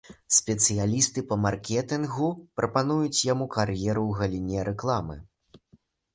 Спецыялісты па маркетынгу прапануюць яму кар'еру ў галіне рэкламы.